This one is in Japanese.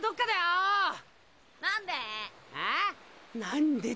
何で？